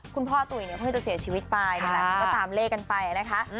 คุณพ่อตุ๋ยเนี่ยเพิ่งจะเสียชีวิตไปหลายคนก็ตามเลขกันไปนะคะ